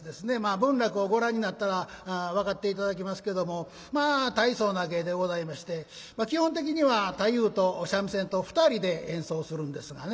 文楽をご覧になったら分かって頂きますけどもまあ大層な芸でございまして基本的には太夫と三味線と２人で演奏するんですがね。